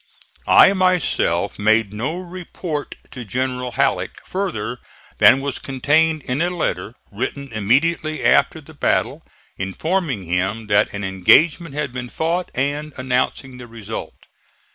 I myself made no report to General Halleck, further than was contained in a letter, written immediately after the battle informing him that an engagement had been fought and announcing the result.